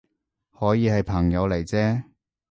可以係朋友嚟啫